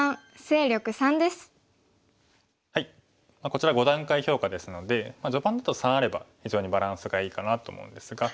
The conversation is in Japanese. こちら５段階評価ですので序盤だと３あれば非常にバランスがいいかなと思うんですが。